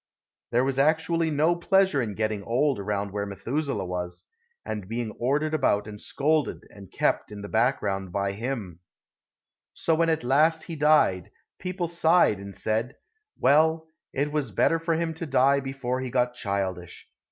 There was actually no pleasure in getting old around where Methuselah was, and being ordered about and scolded and kept in the background by him. So when at last he died, people sighed and said: "Well, it was better for him to die before he got childish.